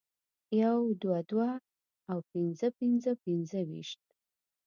يو دوه دوه او پنځه پنځه پنځویشت